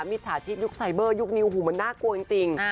มิจฉาชีพยุคไซเบอร์ยุคนี้หูมันน่ากลัวจริง